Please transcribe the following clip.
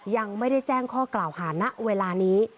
ยังไม่ได้แจ้งข้อกล่าวหาณเวลานี้